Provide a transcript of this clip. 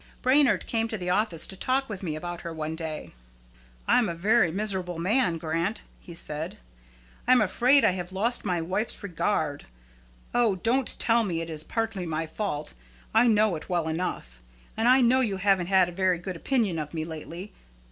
Brainard came to the office to talk with me about her one day. "I am a very miserable man, Grant," he said. "I am afraid I have lost my wife's regard. Oh, don't tell me it is partly my fault. I know it well enough. And I know you haven't had a very good opinion of me lately.